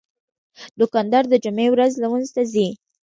دوکاندار د جمعې ورځ لمونځ ته ځي.